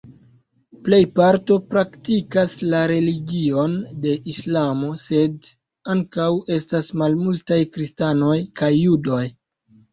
Plej parto praktikas la religion de Islamo, sed ankaŭ estas malmultaj kristanoj kaj judoj.